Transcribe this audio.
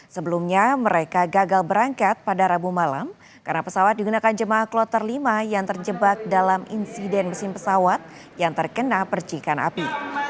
sebelumnya mereka gagal berangkat pada rabu malam karena pesawat digunakan jemaah kloter lima yang terjebak dalam insiden mesin pesawat yang terkena percikan api